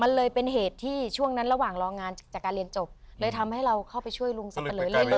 มันเลยเป็นเหตุที่ช่วงนั้นระหว่างรองานจากการเรียนจบเลยทำให้เราเข้าไปช่วยลุงสับปะเลอเรื่อย